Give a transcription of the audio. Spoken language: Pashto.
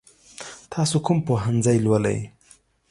تاسو کوم پوهنځی لولئ؟